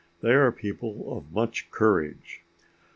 They are people of much courage."